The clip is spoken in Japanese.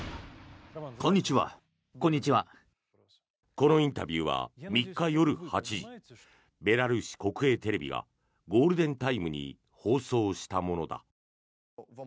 このインタビューは３日夜８時ベラルーシ国営テレビがゴールデンタイムに放送したものだ。